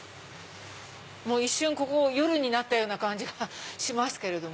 一瞬ここ夜になったような感じがしますけれども。